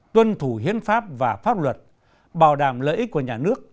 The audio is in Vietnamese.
tuân thủ hiến pháp và pháp luật bảo đảm lợi ích của nhà nước